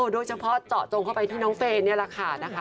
โดยเฉพาะเจาะจงเข้าไปที่น้องเฟย์นี่แหละค่ะนะคะ